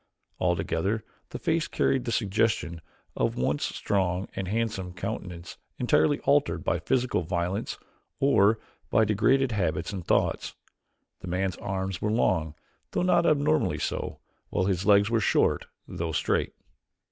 Altogether the face carried the suggestion of a once strong and handsome countenance entirely altered by physical violence or by degraded habits and thoughts. The man's arms were long, though not abnormally so, while his legs were short, though straight.